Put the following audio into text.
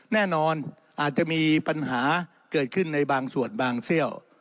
แน่นอนอาจจะมีปัญหาเกิดขึ้นในบางส่วนบางเซี่ยว